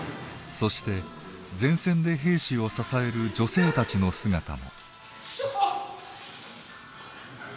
そして前線で兵士を支える女性たちの姿も。